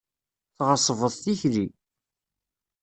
Tɣeṣbeḍ tikli.